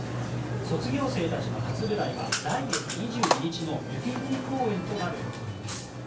卒業生たちの初舞台は来月２２日の雪組公演となる予定です。